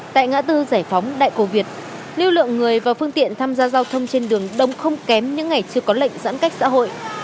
tại ngã tư giải phóng đại cô việt lưu lượng người và phương tiện tham gia giao thông trên đường đông không kém những ngày chưa có lệnh giãn cách xã hội